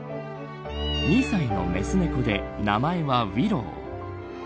２歳のメス猫で名前はウィロー。